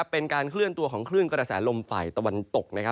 เป็นการเคลื่อนตัวของคลื่นกระแสลมฝ่ายตะวันตก